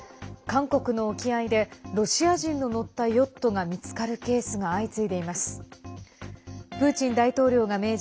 韓国の沖合でロシア人の乗ったヨットが見つかるケースが相次いでいます。